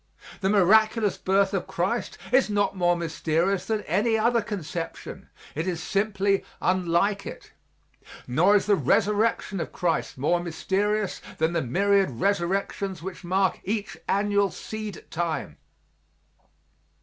The miraculous birth of Christ is not more mysterious than any other conception it is simply unlike it; nor is the resurrection of Christ more mysterious than the myriad resurrections which mark each annual seed time.